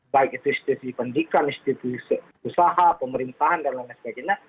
baik itu institusi pendidikan institusi usaha pemerintahan dan lain sebagainya